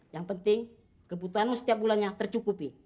yang penting kebutuhanmu setiap bulannya tercukupi